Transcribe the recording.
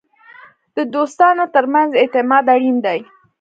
د دوستانو ترمنځ اعتماد اړین دی.